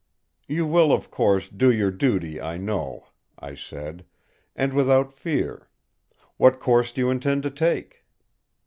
"You will of course do your duty, I know," I said, "and without fear. What course do you intend to take?"